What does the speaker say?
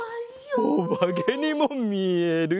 おばけにもみえる。